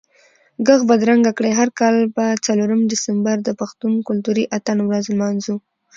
ږغ بدرګه کړئ، هر کال به څلورم دسمبر د پښتون کلتوري اتڼ ورځ لمانځو